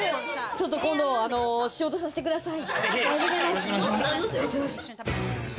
ちょっと今度、仕事させてください。